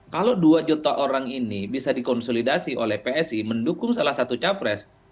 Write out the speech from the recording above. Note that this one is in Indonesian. kalau dua juta orang ini bisa dikonsolidasi oleh psi mendukung salah satu capres